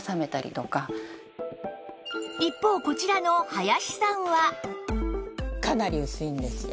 一方こちらの林さんは